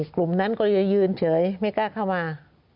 กลุ่มนั้นก็เลยยืนเฉยไม่กล้าเข้ามา